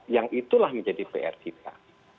yang itulah menjadi pr kita